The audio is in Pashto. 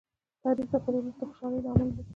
تاریخ د خپل ولس د خوشالۍ لامل دی.